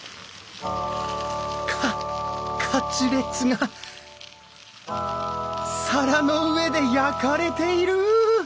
カカツレツが皿の上で焼かれている！